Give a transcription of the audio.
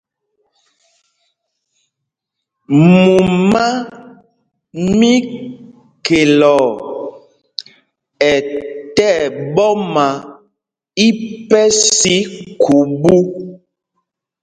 Mumá mí Khɛloo ɛ tí ɛɓɔma ípɛs í khubú.